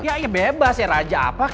ya ya bebas ya raja apa kek